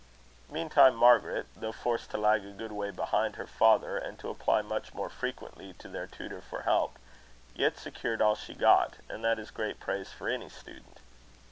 Meantime Margaret, though forced to lag a good way behind her father, and to apply much more frequently to their tutor for help, yet secured all she got; and that is great praise for any student.